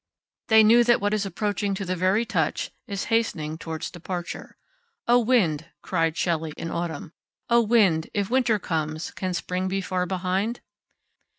They knew that what is approaching to the very touch is hastening towards departure. 'O wind,' cried Shelley, in autumn, 'O wind, If winter comes, can spring be far behind?'